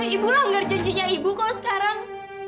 ibu longgar janjinya ibu kok sekarang